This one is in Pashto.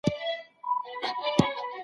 هوښیار خلک په خپلو خوړو پام کوي.